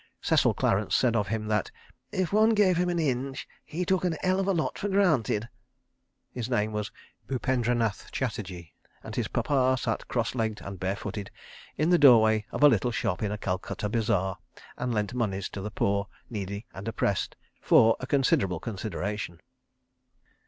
Cecil Clarence said of him that "if one gave him an inch he took an 'ell of a lot for granted." His name was Bupendranath Chatterji, and his papa sat cross legged and bare footed in the doorway of a little shop in a Calcutta bazaar, and lent moneys to the poor, needy and oppressed, for a considerable consideration.